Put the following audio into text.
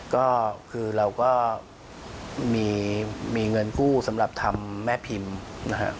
ก็คือเราก็มีเงินกู้สำหรับทำแม่พิมพ์นะครับ